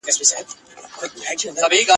پر سړي باندي باران سو د لوټونو ..